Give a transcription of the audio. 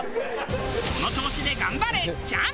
この調子で頑張れチャン！